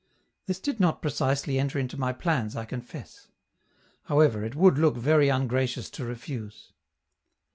This did not precisely enter into my plans, I confess. However, it would look very ungracious to refuse.